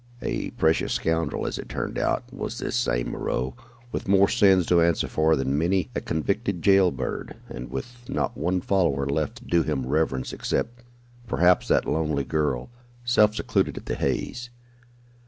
A precious scoundrel, as it turned out, was this same Moreau, with more sins to answer for than many a convicted jail bird, and with not one follower left to do him reverence except, perhaps, that lonely girl, self secluded at the Hays.